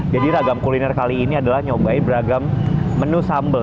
jadi ragam kuliner kali ini adalah nyobain beragam menu sambal